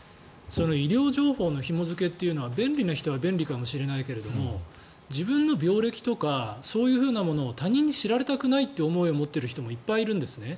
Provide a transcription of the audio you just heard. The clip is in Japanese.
医療情報のひも付けというのは便利な人は便利かもしれないけど自分の病歴とかそういうものを他人に知られたくない思いを持っている人もいっぱいいるんですね。